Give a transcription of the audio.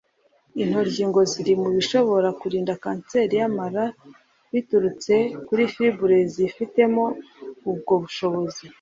intoryi ngo ziri mu bishobora kurinda kanseri y’amara biturutse kuri fibre zifitemo ubwo bushobozi